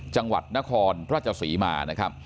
จังหวัดนครราชสีมา